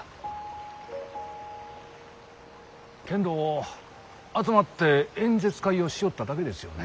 けんど集まって演説会をしよっただけですよね？